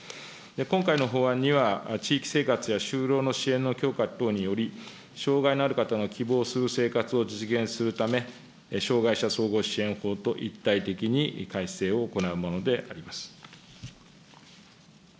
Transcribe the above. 今回の法案には、地域生活や就労の支援の強化等により、障害のある方の希望する生活を実現するため、障害者総合支援法と一体的に改正を行うものであります。